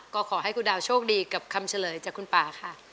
โทษใจโทษใจโทษใจ